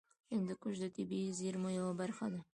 هندوکش د طبیعي زیرمو یوه برخه ده.